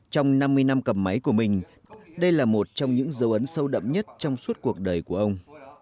trong năm mươi năm cầm máy của mình đây là một trong những dấu ấn sâu đậm nhất trong suốt cuộc đời của ông